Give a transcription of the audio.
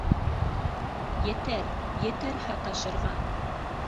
Етәр, етәр һаташырға!